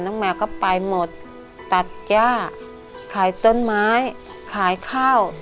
แมวก็ไปหมดตัดย่าขายต้นไม้ขายข้าว